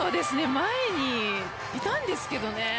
前にいたんですけどね。